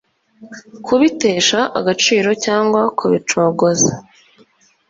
kubitesha agaciro cyangwa kubicogoza.